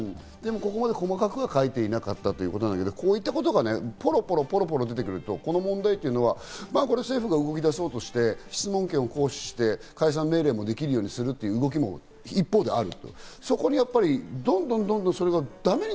でもここまで細かくは書いてなかったということだけど、こういうことがポロポロ出てくると、この問題というのは政府が動き出そうとして質問権を行使して解散命令もできるようにするという動きも一方である。